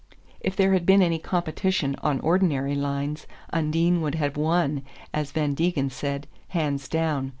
If there had been any competition on ordinary lines Undine would have won, as Van Degen said, "hands down."